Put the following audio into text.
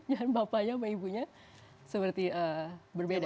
dan bapaknya sama ibunya seperti berbeda